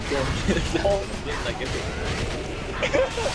For safety, Nat brings the family into the kitchen for the night.